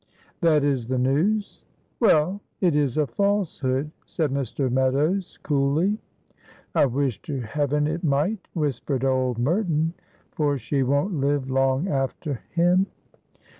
"That is the news." "Well, it is a falsehood!" said Mr. Meadows, coolly. "I wish to Heaven it might," whispered old Merton, "for she won't live long after him."